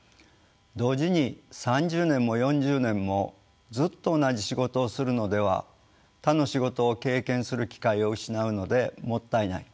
同時に３０年も４０年もずっと同じ仕事をするのでは他の仕事を経験する機会を失うのでもったいない。